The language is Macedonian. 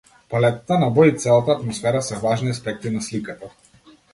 Палетата на бои и целата атмосфера се важни аспекти на сликата.